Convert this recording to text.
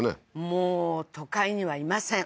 もう都会にはいません